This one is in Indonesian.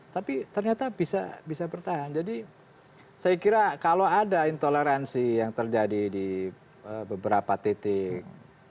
tapi ternyata bisa bertahan jadi saya kira kalau ada intoleransi yang terjadi di beberapa titik